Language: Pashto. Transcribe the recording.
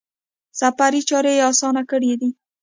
د سفر چارې یې اسانه کړي دي.